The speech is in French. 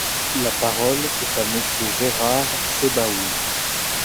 La parole est à Monsieur Gérard Sebaoun.